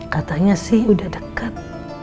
katanya sih udah dekat